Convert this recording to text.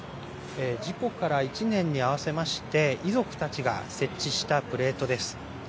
事故から１年に合わせまして、遺族たちが設置したプレートです。